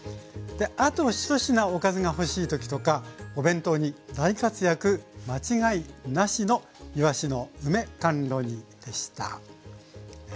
あと１品おかずが欲しい時とかお弁当に大活躍間違いなしのいわしの梅甘露煮でした。